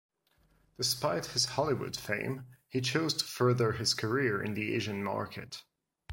Despite his Hollywood fame, he chose to further his career in the Asian market.